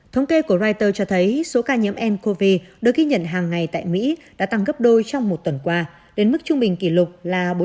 thống kê của reuters cho thấy số ca nhiễm ncov được ghi nhận hàng ngày tại mỹ đã tăng gấp đôi trong một tuần qua đến mức trung bình kỷ lục là bốn trăm một mươi tám